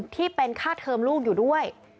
ที่เป็นค่าเทอมลูกอยู่ด้วย